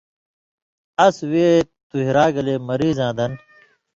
اَس وے تُوئ را گلےمریضاں دن